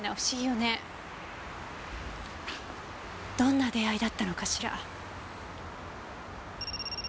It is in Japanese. どんな出会いだったのかしら。